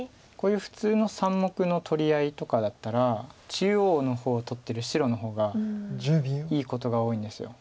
こういう普通の３目の取り合いとかだったら中央の方を取ってる白の方がいいことが多いんです。